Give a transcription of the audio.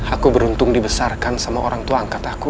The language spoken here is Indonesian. aku beruntung dibesarkan sama orang tua angkat aku